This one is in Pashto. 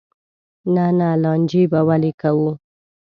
نه نه لانجې به ولې کوو.